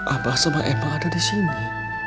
abah sama ema ada disini